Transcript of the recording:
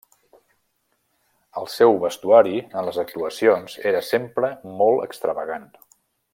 El seu vestuari en les actuacions era sempre molt extravagant.